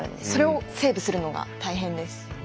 それをセーブするのが大変です。